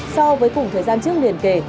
so với cùng thời gian trước liền kể